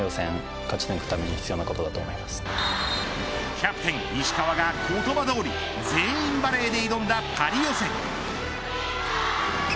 キャプテン石川が、言葉どおり全員バレーで挑んだパリ予選。